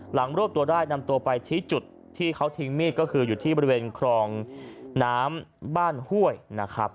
รวบตัวได้นำตัวไปชี้จุดที่เขาทิ้งมีดก็คืออยู่ที่บริเวณครองน้ำบ้านห้วยนะครับ